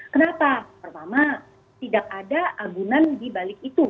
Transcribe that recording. kenapa pertama tidak ada agunan di balik itu